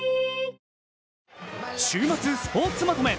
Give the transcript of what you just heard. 週末スポーツまとめ。